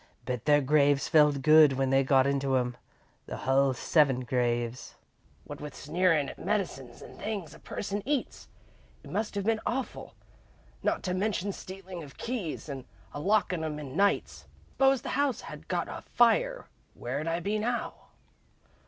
Bet their graves felt good when they got into 'em, the hull seven graves. What with sneerin' at medicines and things a person eats, it must have been awful, not to mention stealin' of keys and a lockin' 'em in nights. S'pose the house had got afire, where'd I be now?"